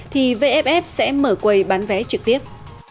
thì vff sẽ mở quầy bán vé trực tiếp